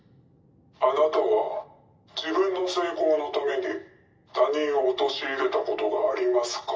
アナタは自分の成功のために他人を陥れたことがありマスか？